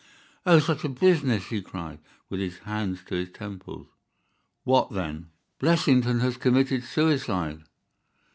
"Oh, such a business!" he cried, with his hands to his temples. "What then?" "Blessington has committed suicide!"